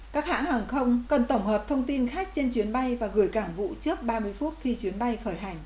các hãng hàng không cần tổng hợp thông tin khách trên chuyến bay và gửi cảng vụ trước ba mươi phút khi chuyến bay khởi hành